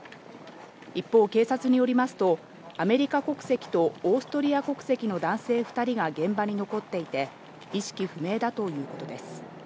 一方、警察によりますとアメリカ国籍とオーストリア国籍の男性２人が現場に残っていて、意識不明だということです。